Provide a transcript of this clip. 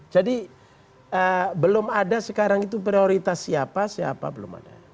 jadi belum ada sekarang itu prioritas siapa siapa belum ada